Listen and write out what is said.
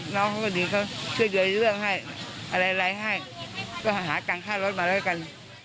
น้องเขาก็ดีเขาเชื่อเยอะเรื่องให้อะไรให้ก็หากางค่ารถมาด้วยกัน